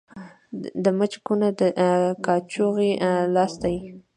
د مچ کونه ، د کاچوغي لاستى.